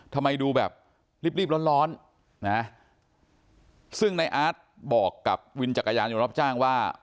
ทำไมดูแบบรีบรีบร้อนร้อนนะซึ่งในอาร์ตบอกกับวินจักรยานยนต์รับจ้างว่า